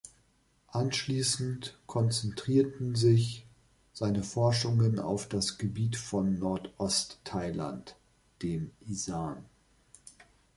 Anschließend konzentrierten sich seine Forschungen auf das Gebiet von Nordost-Thailand, dem Isan.